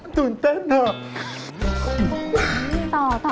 ตื่นเต้นเถอะ